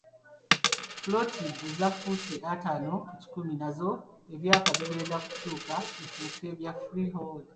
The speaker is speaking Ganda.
Ppoloti eza ffuuti ataano ku kikumi nazo ebyapa bigenda kukyuka bifuuke bya freehold.